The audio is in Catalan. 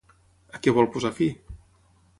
A què vol posar fi?